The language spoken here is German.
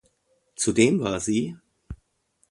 Zudem war sie